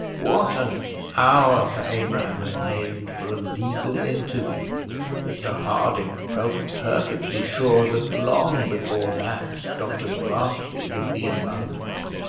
what an hour Sir Abraham had named for a legal interview! Mr Harding felt perfectly sure that long before that Dr Grantly would be in London.